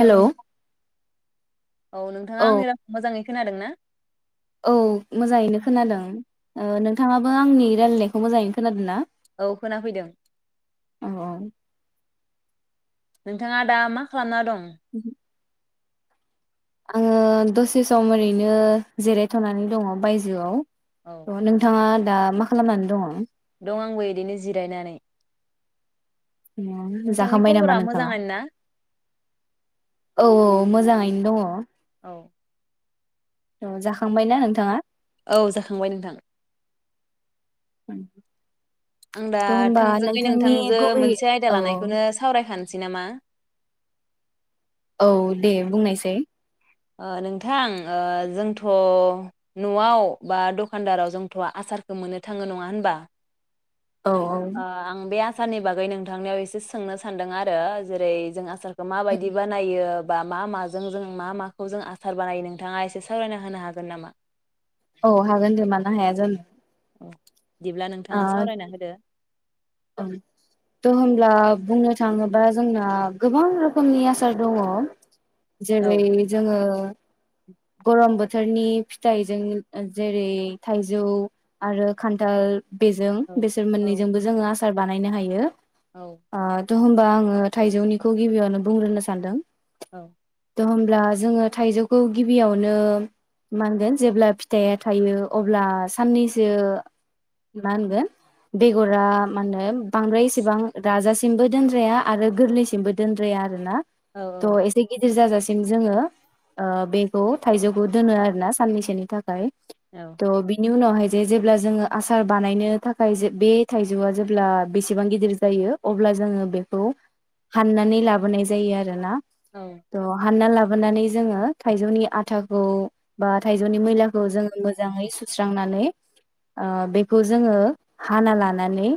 Hello औ नोंथाङा आंनि रावखौ मोजाङै खोनादों ना? औ मोजाङैनो खोनादों ओ नोंथाङाबो आंनि रायलायनायखौ मोजाङैनो खोनादों ना? औ खोना फैदों औ औ नोंथाङा दा मा खालामना दं? [inaudible] आङो दसे सम ओरैनो जिरायथ'नानै दङ औ बायजोआव नोंथाङा दा मा खालामनानै दङ। दं आंबो बिदिनो जिरायनानै नोंथांनि जाखांबाय नामा खबरा नोंथाङा मोजाङानो ना? औ औ मोजाङै दङ। औ। औ जाखांबायना नोंथाङा। औ जाखांबाय नोंथां [unintelligible] आं दा थ' होमबा थोंजोङै नोंथांनि नोंथांजो गुबै मोनसे आयदा औ लानायखौनो सावरायखानो सै नामा? औ दे बुंनायसै ओ नोंथां ओ जोंथ' न'आव बा दखानदाराव जोंथ' आसारखौ मोननो थाङो नङा होनबा? औ आ आं दा आसारनि बागै नोंथांनियाव एसे सोंनो सान्दों आरो जेरै जों आ माबायदि बानायो बा मा माजों जों मा माखौ जों आसार बानायो नोंथाङा एसे सावरायना होनो हागोन नामा? औ हागोन दे मानो हाया जानो। औ बिदिब्ला ओ नोंथाङा सावरायना होदो। थ' होमब्ला बुंनो थाङोबा जोंना गोबां रोखोमनि आसार दङ। औ जेरै जोङो गरम बोथोरनि फिथाइजों जेरै थाइजौ आरो खान्थाल। बेजों औ बेसोर औ मोननैजोंबो जोङो आ सार बानायनो हायो। औ आ थ' होमबा आङो थाइजौनिखौ गिबियावनो बुंग्रोनो सानदों। औ। थ' होमब्ला जोङो थाइजौखौ गिबियावनो मा होनगोन जेब्ला फिथाइया थायो अब्ला साननैसो मा होनगोन बेगरा मा होनो बांद्राय इसिबां राजासे सिमबो दोनद्राया आरो गोरलैसिमबो दोनद्राया आरो ना। औ थ' एसे गिदिर जा जासे सिम जोङो ओ बेखौ थाइजौखौ दोनो आरोना साननैसोनि थाखाय। औ थ' बिनि नि उनावहाय जे जेब्ला जोङो आसार बानायनो थाखाय बे थाइजौआ जेब्ला अब्ला बेसेबां गिदिर जायो अब्ला जोङो बेखौ हाननानै लाबोनाय जायो आरोना औ त हानना ला बोनानै जोङो थाइजौनि आथाखौ बा थाइजौनि मैलाखौ जोङो मोजाङै सुस्रांनानै ओ बेखौ जोङो हाना लानानै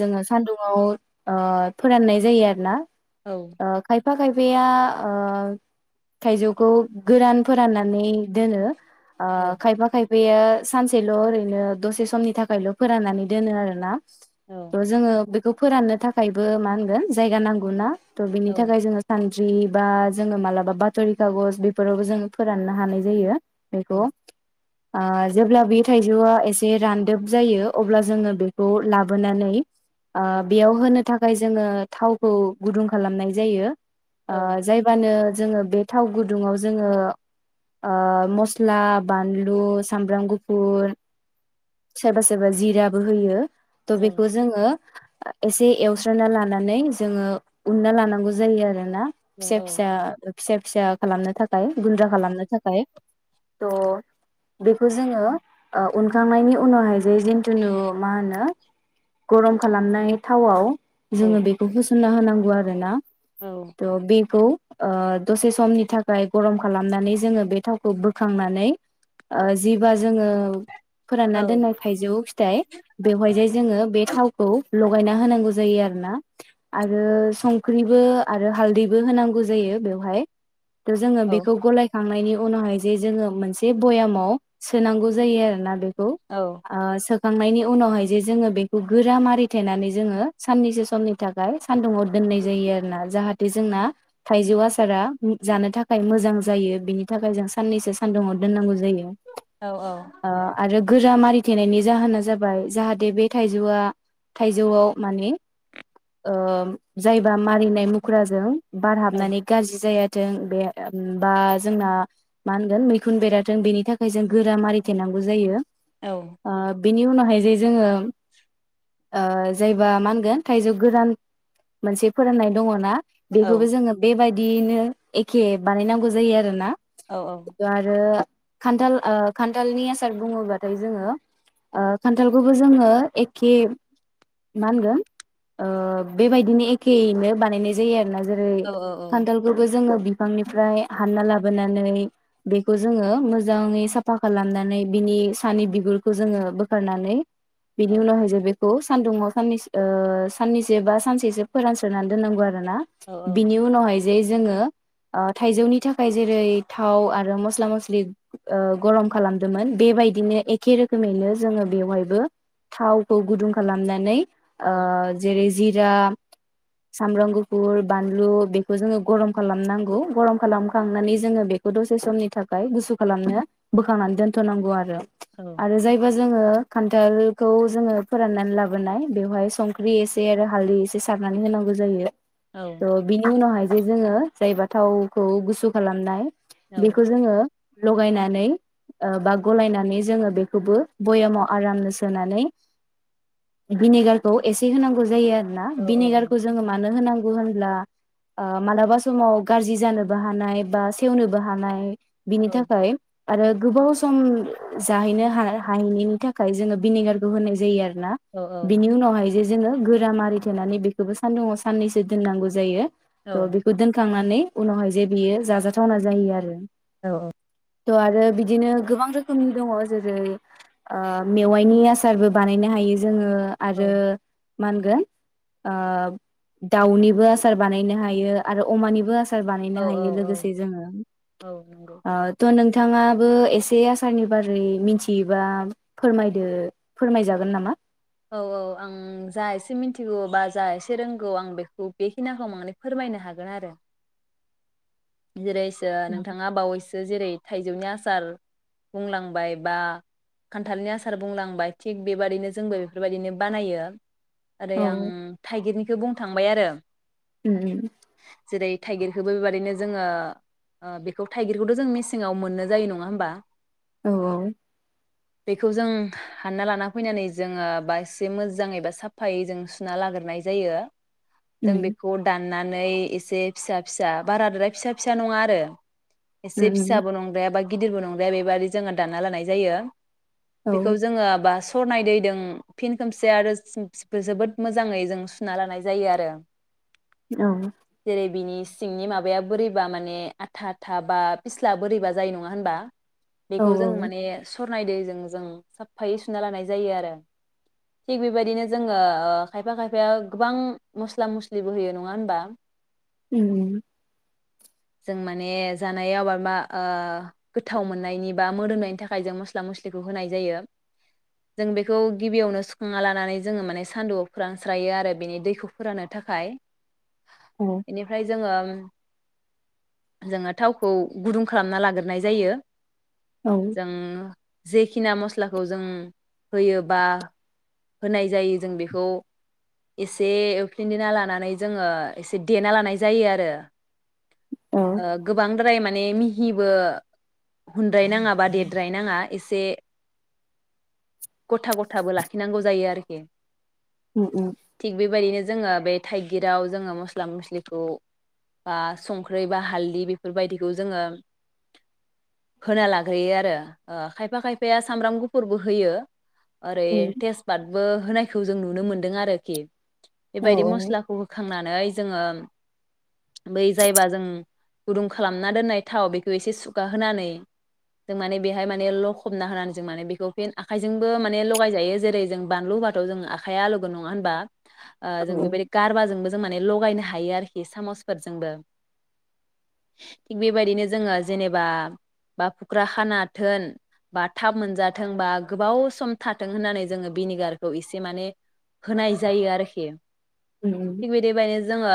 जोङो सानदुंङाव ओ फोराननाय जायो आरोना औ ओ खाय यफा खायफाया ओ थायजौखौ गोरान फोराननानै दोनो ओ खायफा खाय बेयो सानसेल' ओरैनो दसे समनि थाखायल' फोराननानै दोनो आरोना औ ओ जोङो बेखौ फोराननो थाखायबो मा होनगोन जायगा नांगौ ना त' बिनि औ थाखाय औ जोङो सान द्रिबा जोङो मालाबा बातरि खागज बेफोरावबो जोङो फोराननो हानाय जायो बेखौ औ ओ जेब्ला बे थाइजौआ एसे रानदोब जायो अब्ला जोङो बेखौ लाबोनानै [unintelligible] आ औ बेयावहोनो थाखाय जोङो थावखौ गुदुं खालामनाय जायो ओ जायबानो जोङो बे थाव गुदुङाव जोङो ओ मस्ला बानलु सामब्राम गुफुर सोरबा सोरबा जिराबो होयो थ' औ बेखौ जोङो एसे एवस्रोनना लानानै जोङो उनना लानांगौ जायो आरो ब्ला फिसा फिसा औ फिसा फिसा खालामनो थाखाय गुन्द्रा खालामनो थाखाय थह बेखौ जोङो ओ उनखांनायनि उनावहाय जे जिथुुनु मा होनो गरम खालामनाय थावआव जोङो बेखौ हो सनना होनांगौ आरो ना थ' बिखौ ओ दसे समनि थाखाय गरम खालामनानै जोङो बे थावखौ बोखांनानै ओ जिबा जोङो फोरानना दोननाय थाइजौ फिथाइ बेवहाय जाय जोङो बे थावखौ लगायना होनांगौ जायो आरो ना आरो संख्रिबो आरो हालदैबो होनांगौ जायो बेवहाय जोङो बेखौ गलायखांनायनि उनावहाय जे जोङो मोनसे भयामाव सोनांगौ जायो आरो ना बे खौ ओ सो खांनायनि उनावहाय जे जोङो बे खौ गोरा मारिथेनानै जोङो साननैसो समनि थाखाय सान्दुङाव दोननाय जायो आरोना जाहाथे जोंना थाइजौ आसारा जानो थाखाय मोजां जायो बिनि थाखाय जों साननैसो सानदुुङाव दोननांगौ जायो जायो ओ आरो गोर गोरा मारिथेनायनि जाहोना जाबाय जाहाथे बे थाइजौआ थाइजौआव माने ओ जायबा मारिनाय मुख्राजों बारहाबनानै गाज्रि जाया आरो थों बे बा जोंना मा होनगोन मैखुन बेराथों बेनि थाखाय जों गोरा मारिथेरनांगौ जायो औ बिनि उनावहाय जे जोङो ओ जायबा मा होनगोन थाइजौ गोरान मोनसे फोरोंनाय दङना बेखौबो जोङो बेबायदि बिदियैनो एखे बानायनांगौ जायो आरो ना आरो खान्थाल ओ खान्थालनि आसार बुङोबाथाय जोङो ओ खान्थालखौबो जोङो एखे मा होनगोन ओ बेबायदिनो एखेयैनो बानायनाय जायो आरोना जेरै खान्थालखौबो जोङो बिफांनिफ्राय हानना लाबोनानै बेखौ जोङो मोजाङै साफा खालामनानै बिनि सानि बिगुरखौ जोङो बोखारनानै बिनि उनावहाय [unintelligible] खौ सानदुुंङाव साननै साननैसो बा सानसेसो फोरानसस्रोनानै दोननांगौ आरो औ [unintelligible] औ बिनि उनावहाय हाय जे जोङो ओ थाइजौनि थाखाय जेरै थाव आरो मस्ला मस्लि ओ गरम खालामदोंमोन बेबायदिनो एखे रोखोमैनो जोङो बेवहायबो थावखौ गुदुं खालामनानै औ ओ जेरै जि गुजा सामब्राम गुफुर बानलु बेखौ जोङो गरम खालामनांगौ गरम खालामखांनानै जोङो बेखौ दसे समनि थाखाय गुसु खालामनो बोखांनानै दोनथ'नांगौ आरो औ आरो जायबा जोङो थालखौ जोङो फोराननानै लाबोनाय बेवहाय संख्रि एसे आरो हालदै एसे सारनानै होनांगौ औ जायो बिनि उनावहाय ज जोङो जाय बाथावखौ गुसु खालामनाय औ बेखौ जोङो लगायनानै बा गलायनानै जोङो बेखौबो बयामाव आरामनो सोनानै भिनेगारखौ एसे होनांगौ जायो ना औ औ औ भिनिगारखौ जोङो मानो होनांगौ होनब्ला ओ मालाबा समाव गाज्रि जानोबो हानाय बा सेवनोबो हानाय बिनि औ थाखाय आरो गोबाव सम जाहैनो हा-हाहैनायनि था जोङो भिनिगारखौ होनाय जायो आरो ना औ बिनि उनावहाय जे जोङो गोरा मारिथेनानै बेखौबो सानदुंआव साननैसो दोननांगौ जायो त' बेखौ दोनखांनानै माने उनावहाय जे बियो जाजाथावना जायो आरो औ औ थ' आरो बिदिनो गोबां रोखोमनि दङ जेरै ओ मेवाइनि आसारबो बानायनो हायो जोङो आरो मा होनगोन ओ दाउनिबो आसार बानायनो हायो आरो अमानिबो आसार बानायनो औ हायो औ लोगोसे जोङो औ नंगौ ओ थ नोंथां थाङाबो एसे आसारनि बारै मिथियोबा फोरमायदो फोरमाय जागोन नामा औ औ आं जा एसे मिथिगौ बा जा एसे रोंगौ आं बेखौ बेखिनिखौ माने फोरमायनो हागोन आरो जेरैसो नोंथाङा बावैसो जेरै थाइजौनि आसार बुंलांबाय बा खान्थालनि आसार बुंलांबाय थिग बेबादिनो जोंबो बेफोरबायदिनो बानायो ओरै औ आं उम थाइगिरनिखौ बुं थांबाय आरो उम जेरै थाइगिरखौबो बेबायदिनो जोङो ओ बेखौ थाइगिरखौथ' जों मेसेङाव मोननो जायो नङा होमबा औ औ बेखौ जों हानना लाना फैनानै जोङो बा एसे मोजाङै बा साफायै जों सुना लाग्रोनाय जायो जों उम बेखौ दान नानै एसे फिसा फिसा बारादाय फिसा फिसा नङा आरो एसे उम फिसाबो नंद्राया बाय गिदिरबो नंद्राया बेबाददि जोङो दानना लानाय जायो उम औ बेखौ जोङो बा सरनाय दैदों फिन खोमसे आरोम जोबोद मोजाङै जों सुना लानाय जायो आरो औ जेरै बिनि सिंनि माबाया बोरै बा माने आथा आथा बा फिस्ला बोरैबा जायो नङा होनबा औ बेखौ जों माने सरनाय दैजों जों साफफायै सुना लानाय जायो आरो थिग बेबायदिनो जोङो ओ खायफा खायफाया गोबां मस्ला मस्लिबो होयो नङा होनबा उम उम जों माने जानाय आबाद मा ओ गोथाव मोननायनि बा मोदोमनायनि थाखाय जों मस्ला मस्लिखौ होनाय जायो जों बेखौ गिबियावनो सुखांना लानानै जोङो माने सान्दुआव फोरानस्रायो आरो बेनि दैखौ फोराननो थाखाय उम बेनिफ्राय जोङो जोङो थावखौ गुदुं खालामना लाग्रोनाय जायो औ जों जे खिना मस्लाखौ जों होयो बा होनाय जायो जों बेखौ एसे एवफिनना लानानै जोङो एसे देना लानाय जायो आरो औ ओ गोबां द्राय माने मिहिबो हुद्रायनाङा बा देरद्रायनाङा एसे गथा गथाबो लाखिनांगौ जायो आरोखि उम थिक बेबायदिनो जों जोङो बे थाइगिराव जोङो मस्ला मस्लिखौ बा संख्रि बा हालदै बेफोरबायदिखौ जोङो होना लाग्रोयो आरो ओ खायफा खायफाया सामब्राम गुफुरबो होयो आरो थेसपाद बो होनायखौ जों नुनो मोन्दों आरोखि बेबायदि औ औ मस्लाखौ होखांनानै जोङो बै जायबा जों गुदुं खालामना दोननाय थाव बेखौ एसे सुगाहोनानै जों माने बेहाय माने लखबना होनानै जों माने बेखौ फिन आ आखाइजोंबो माने लगायजायो जेरै जों बानलु होबाथ' जों आखाइया आलौगोन नङा होनबा ओ जों औ बेबायदि गारबा जोंबो जों माने लगायनो हयो आरोखि सामसफोरजोंबो थिग बेबायदिनो जोङो जेनेबा बा खुख्राखानाथोन बा थाब मोनजाथों बा गोबाव सम थाथों होननानै जोङो भिनिगारखौ एसे माने होनाय जायो आरोखि उम थिक बिदिबायद जोङो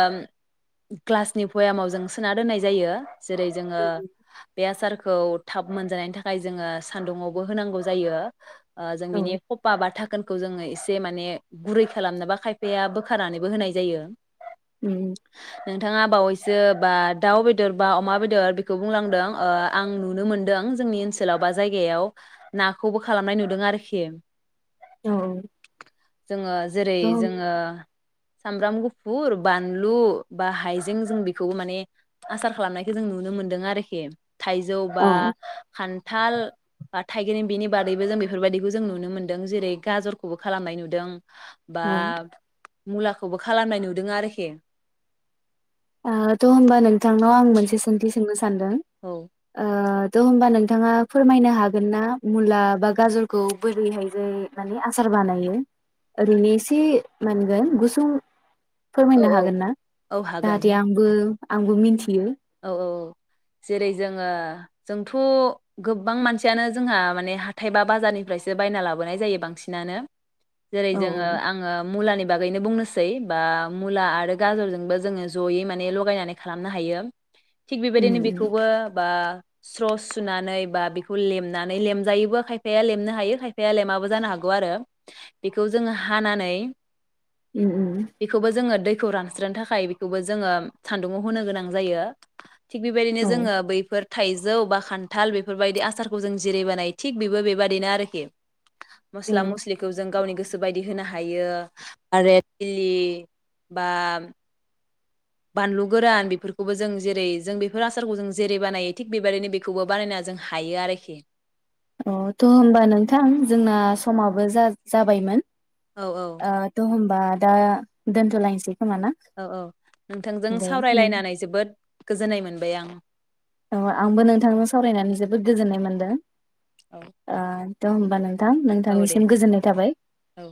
ग्लासनि भयामाव जों सोना दोननाय जायो जेरै जोङो उम बे आसारखौ थाब मोनजानायनि थाखाय जोङो सान्दुंआवबो होनांगौ जायो ओ जों औ बिनि फपा बा था खोनखौ जोङो एसे माने गुरै खालामनोबा खायफाया बोखारनानैबो होनाय जायो उम नोंथाङा बावैस सो बा दाउ बेदर बा अमा बेदर बेखौ बुंलांदों ओ आं नुनो मोनदों जोंनि ओनसोलाव बा जायगायाव नाखौबो खालामनाय नुदों आरोखि औ जोङो जेरै थ' जोङो सामब्राम गुफुर बानलु बा हाइजें जों बेखौबो माने आसार खालामनायखौ जों नुनो मोनदों आरोखि थाइजौ बा औ खान थाल बा थाइगिर बेनि बादैबो जों बेफोरबायाददिखौ जों नुनो मोन्दों जेरै गाजरखौबो खालामनाय नुदों बा औ मुलाखौबो खालामनाय नुदों आरोखि आ थ' होमबा नोंथांनाव आं मोनसे सोंथि सोंनो स सानदों औ थ' होमबा नोंथाङा फोरमायनो हागोन ना मुला बा गाजरखौ बोरैहाय जे माने आसार बानायो ओरैनो एसे माहोनगोन गुसुं औ फोरमायनो औ हागोन ना औ हागोन जाहाथे आंबो आंबो मिथि औ औ जेरै जोङो जोंथ' गोबां मानसियानो जोंहा माने हाथाइ बा बाजारनिफ्रायसो बायना लाबोनाय जायो बांसिनानो जेरै औ जोङो आङो मुलानि बागैनो बुंनो सा सै बा मुला आरो गाजरजोंबो जोङो जयै माने लगायनानै खालामनो हायो थिग उम बेबायदिनो उम बेखौबो बा स्र'स सुनानै बा बेखौ लेमनानै लेमजायोबो खायफाया लेमनो हायो खायफाया लेमाबो जानो हागौ आरो बेखौ जोङो हानानै उम उम बेखौबो जोङो दै खौ रानस्रोनो थाखाय बेखौबो जोङो सान्दुंङाव होनो गोनां जायो थिग बेबायदिनो औ जोङो बैफोर थाइजौ बा खान्थाल बेफोरबायदि आसारखौ जों जिरायबोनायो थिग बेबो बेबादिनो आरोखि औ मस्ला मस्लिखौ जों गावनि गोसो गोसो बायदि होनो हायो आरो [unintelligible] बा बानलु गोरान बेफोरखौबो जों जेरै जों बेफोर आसारखौ जों जेरै बानायो थिग बेबायदिनो बेखौबो बानायना जों हायो आरोखि अ थ' होमबा नोंथां जोंना समाबो जा-जाबायमोन औ औ आ थ' होनबा दा दोनथ'लायनिसै औ औ नोंथांजों नों सावरायलायनानै जोबोद गोजोननाय मोनबाय आं अ आंबो नोंथांनो सावरायनानै जोबोद गोजोननाय मोन्दों औ आ थ' होनबा नों थां औ दे नोंथांनिसिम गोजोननाय थाबाय औ